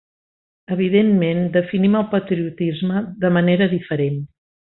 Evidentment, definim el patriotisme de manera diferent.